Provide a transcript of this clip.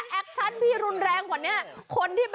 ถ้าแอคชั่นพี่รุนแรงกว่านี้